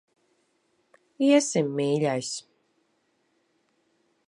Iesim, mīļais.